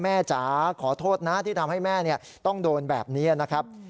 จ๋าขอโทษนะที่ทำให้แม่ต้องโดนแบบนี้นะครับ